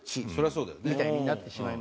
そうだよ。